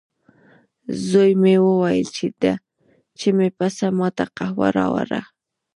زوی مې وویل، چې مې پسه ما ته قهوه راوړه.